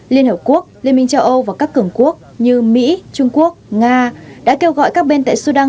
liên hợp quốc liên minh châu âu và các cường quốc như mỹ trung quốc nga đã kêu gọi các bên tại sudan